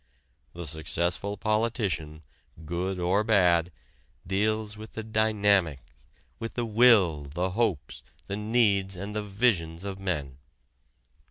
The successful politician good or bad deals with the dynamics with the will, the hopes, the needs and the visions of men.